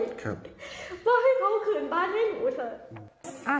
ก็ให้เขาคืนบ้านให้หนูเถอะ